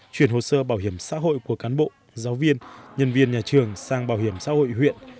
chuyển hồ sơ bảo hiểm xã hội của cán bộ giáo viên nhân viên nhà trường sang bảo hiểm xã hội huyện